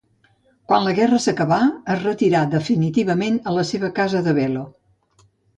Quan la guerra s'acabà, es retirà definitivament a la seva casa de Bello.